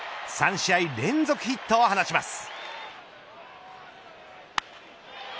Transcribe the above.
３試合連続ヒットを放ちます。